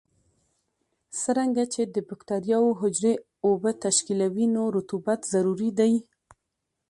څرنګه چې د بکټریاوو حجرې اوبه تشکیلوي نو رطوبت ضروري دی.